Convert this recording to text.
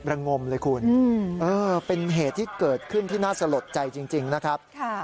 งมเลยคุณเออเป็นเหตุที่เกิดขึ้นที่น่าสลดใจจริงนะครับ